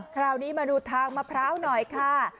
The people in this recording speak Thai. คราวนี้มาดูทางมะพร้าวหน่อยค่ะ